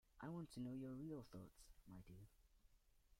I want to know your real thoughts, my dear.